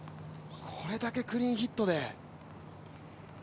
これだけクリーンヒットで。